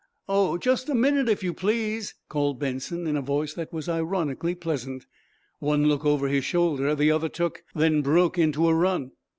"Oh, just a minute, if you please!" called Benson, in a voice that was ironically pleasant. One look over his shoulder the other took, then broke into a run.